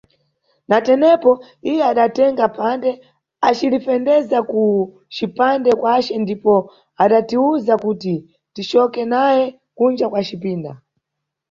Na tenepo, iye adatenga phande acilifendeza ku cipande kwace ndipo adatiwuza kuti ticoke naye kunja kwa cipinda.